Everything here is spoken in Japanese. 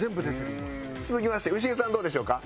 続きまして牛江さんどうでしょうか？